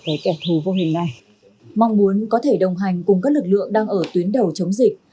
về kẻ thù vô hình này mong muốn có thể đồng hành cùng các lực lượng đang ở tuyến đầu chống dịch